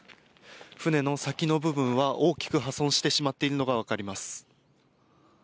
船の先の部分は大きく破損してしまっているのが分かります。